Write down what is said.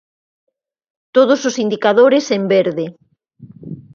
Todos os indicadores en verde.